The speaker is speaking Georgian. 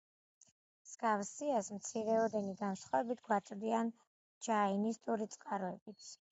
მსგავს სიას მცირეოდენი განსხვავებებით გვაწვდიან ჯაინისტური წყაროებიც.